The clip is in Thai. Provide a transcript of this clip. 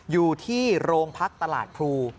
อยู่ที่โรงพักตลาดพรู